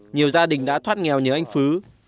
nhiều gia đình đã thoát nghèo nhớ anh phứ